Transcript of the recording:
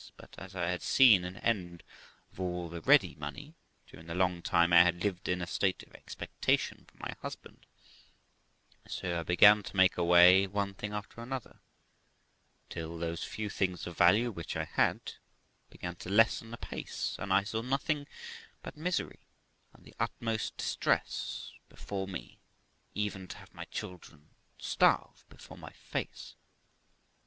But, as I had seen an end of all the ready money during the long time I had lived in a state of expectation for my husband, so I began to make away with one thing after another, till those few things of value which I had began to lessen apace, and I saw nothing but misery and the utmost distress before me, even to have my children starve before my face.